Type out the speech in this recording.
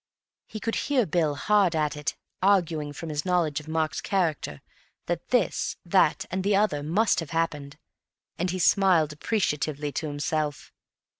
He could hear Bill hard at it, arguing from his knowledge of Mark's character that this, that and the other must have happened, and he smiled appreciatively to himself.